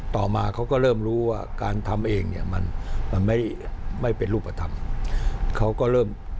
ต่อมาเขาก็เริ่มรู้ว่าการทำเองเนี่ยมันมันไม่เป็นรูปธรรมเขาก็เริ่ม